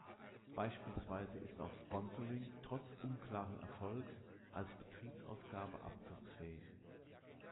Beispielsweise ist auch Sponsoring trotz unklaren Erfolgs als Betriebsausgabe abzugsfähig.